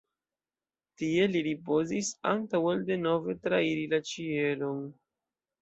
Tie li ripozis antaŭ ol denove trairi la ĉielon.